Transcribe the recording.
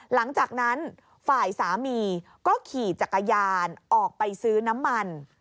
หลังจากนั้นฝ่ายสามีก็ขี่จักรยานออกไปซื้อน้ำมัน